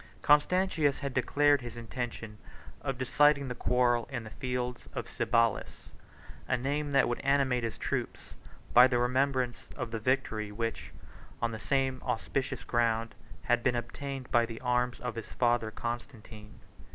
81 Constantius had declared his intention of deciding the quarrel in the fields of Cibalis, a name that would animate his troops by the remembrance of the victory, which, on the same auspicious ground, had been obtained by the arms of his father Constantine.